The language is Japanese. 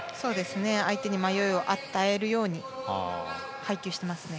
相手に迷いを与えるように配球していますね。